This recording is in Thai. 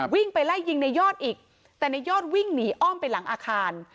วิ่งไปไล่ยิงในยอดอีกแต่ในยอดวิ่งหนีอ้อมไปหลังอาคาร